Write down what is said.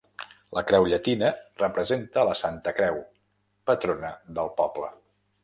La creu llatina representa la Santa Creu, patrona del poble.